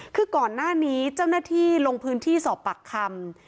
คือก่อนหน้านี้เจ้าหน้าที่ลงพื้นที่สอบปากคำ